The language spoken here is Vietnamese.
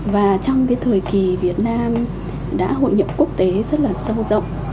và trong cái thời kỳ việt nam đã hội nhập quốc tế rất là sâu rộng